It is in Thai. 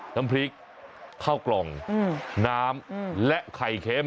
น้ำพริกข้าวกล่องน้ำและไข่เค็ม